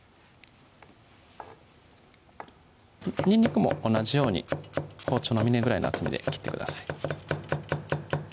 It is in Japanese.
にんにくも同じように包丁の峰ぐらいの厚みで切ってください